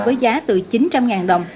với giá từ chín trăm linh đồng